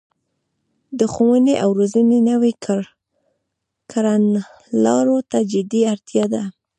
د ښوونې او روزنې نويو کړنلارو ته جدي اړتیا ده